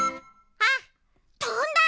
あとんだ！